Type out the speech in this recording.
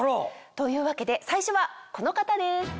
というわけで最初はこの方です。